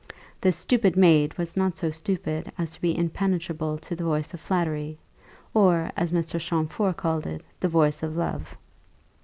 The stupid maid was not so stupid as to be impenetrable to the voice of flattery, or, as Mr. Champfort called it, the voice of love.